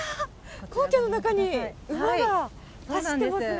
皇居の中に馬が走ってますね。